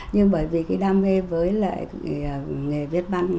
nhưng bởi vì cái đam mê với lại nghề viết văn